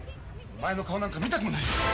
お前の顔なんか見たくもない。